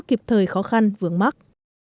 kịp thời khó khăn vướng mắt